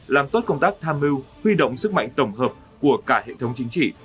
làm tốt công tác tham mưu huy động sức mạnh tổng hợp của cả hệ thống chính trị